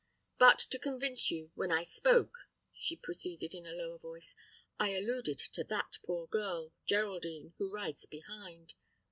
But to convince you, when I spoke," she proceeded in a lower voice, "I alluded to that poor girl, Geraldine, who rides behind.